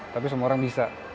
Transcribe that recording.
tapi semua orang bisa